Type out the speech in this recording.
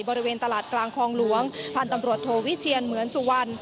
บริเวณตลาดกลางคลองหลวงพันธ์ตำรวจโทวิเชียนเหมือนสุวรรณ